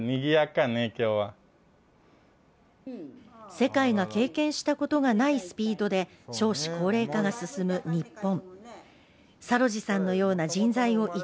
世界が経験したことがないスピードで少子高齢化が進む日本。